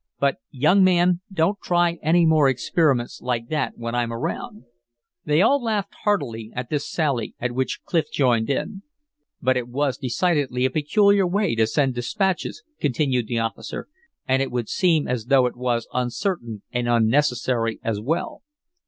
But, young man, don't try any more experiments like that when I'm around." They all laughed heartily at this sally, at which Clif joined in. "But it was decidedly a peculiar way to send dispatches," continued the officer, "and it would seem as though it was uncertain and unnecessary as well."